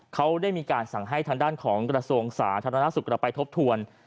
เขาได้มีการสั่งให้ทางด้านของกรสวงศาสตร์ธนรักษุกรรมไปทบทวน